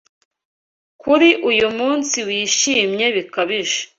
Kuri uyu munsi wishimye bikabije